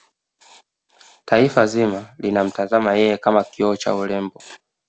taifa zima linamtazama yeye kama kioo cha urembo